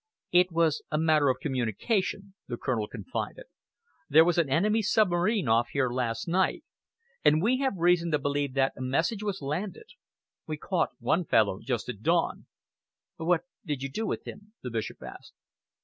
"It was a matter of communication," the Colonel confided. "There was an enemy submarine off here last night, and we have reason to believe that a message was landed. We caught one fellow just at dawn." "What did you do with him?" the Bishop asked.